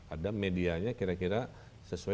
ada medianya kira kira sesuai